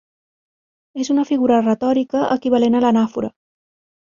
És una figura retòrica equivalent a l'anàfora.